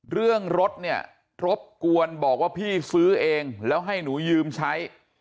เรื่องรถเนี่ยรบกวนบอกว่าพี่ซื้อเองแล้วให้หนูยืมใช้